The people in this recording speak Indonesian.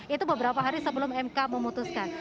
itu beberapa hari sebelum mk memutuskan